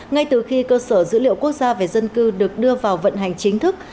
ngay từ khi cơ sở dữ liệu quốc gia về dân cư được đưa vào vận hành chính thức